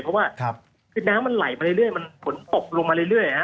เพราะว่าคือน้ำมันไหลมาเรื่อยมันฝนตกลงมาเรื่อย